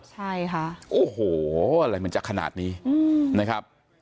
ใช่ค่ะโอ้โหอะไรมันจะขนาดนี้นะครับ